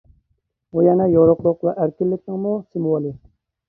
ئۇ يەنە يورۇقلۇق ۋە ئەركىنلىكنىڭمۇ سىمۋولى.